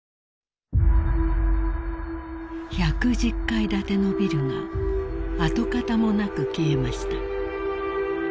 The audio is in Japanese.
［１１０階建てのビルが跡形もなく消えました］